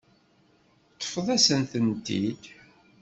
Ṭṭfet-asent-tent-id.